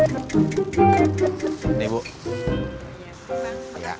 iya bang makasih ya